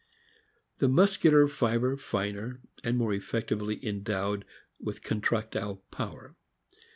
The muscular fiber finer, and more effectively endowed with contractile power.